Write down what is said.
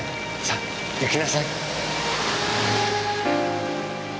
さあ行きなさい。